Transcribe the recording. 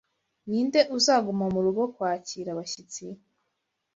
Ninde uzaguma murugo kwakira abashyitsi?